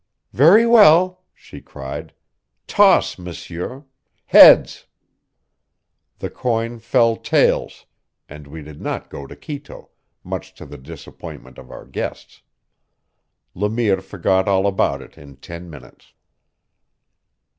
"Very well," she cried, "toss, monsieur! Heads!" The coin fell tails, and we did not go to Quito, much to the disappointment of our guests. Le Mire forgot all about it in ten minutes.